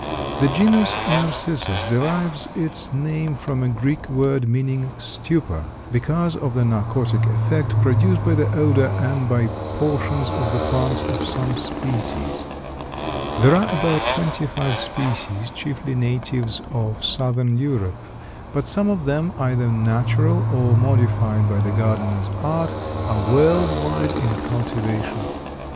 The genus Narcissus derives its name from a Greek word meaning "stupor" because of the narcotic effect produced by the odor and by portions of the plants of some species. There are about twenty five species, chiefly natives of southern Europe, but some of them, either natural or modified by the gardener's art, are world wide in cultivation.